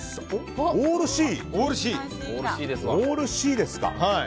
オールＣですか。